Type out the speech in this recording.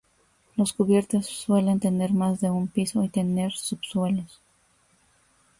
Los cubiertos suelen tener más de un piso y tener subsuelos.